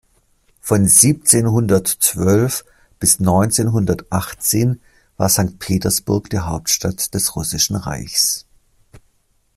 Von siebzehnhundertzwölf bis neunzehnhundertachtzehn war Sankt Petersburg die Hauptstadt des Russischen Reichs.